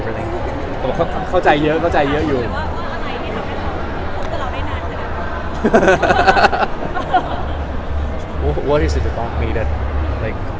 เพราะว่าเราได้นานเท่านั้น